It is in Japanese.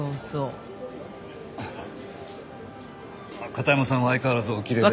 片山さんは相変わらずおきれいで。